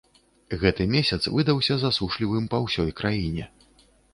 Гэты месяц выдаўся засушлівым па ўсёй краіне.